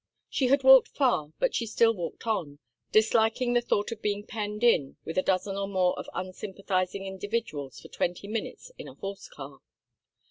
She had walked far, but she still walked on, disliking the thought of being penned in with a dozen or more of unsympathizing individuals for twenty minutes in a horse car.